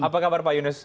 apa kabar pak yunus